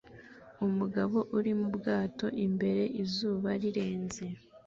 Umugabo uri mu bwato imbere izuba rirenze